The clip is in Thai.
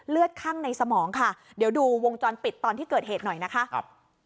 เลือดข้างในสมองค่ะเดี๋ยวดูวงจรปิดตอนที่เกิดเหตุหน่อยนะคะ